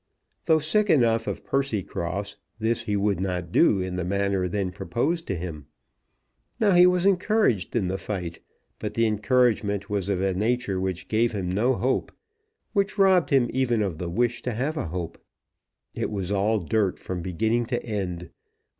Though sick enough of Percycross, this he would not do in the manner then proposed to him. Now he was encouraged in the fight; but the encouragement was of a nature which gave him no hope, which robbed him even of the wish to have a hope. It was all dirt from beginning to end.